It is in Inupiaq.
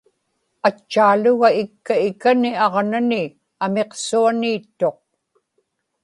atchaaluga ikka ikani aġnani amiqsuaniittuq